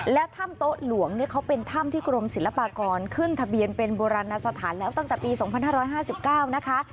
และถ้ำโต๊ะหลวงเนี่ยเขาเป็นถ้ำที่กรมศิลปากรขึ้นทะเบียนเป็นโบราณสถานแล้วตั้งแต่ปี๒๕๕๙นะคะ